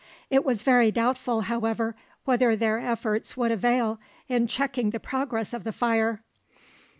It was very doubtful, however, whether their efforts would avail in checking the progress of the fire.